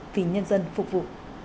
vì nhân dân phục vụ